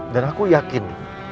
dan aku yakin